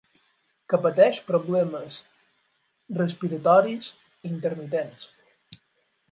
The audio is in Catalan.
Que pateix problemes respiratoris intermitents.